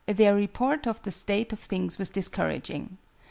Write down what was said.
Their report of the state of things was discouraging.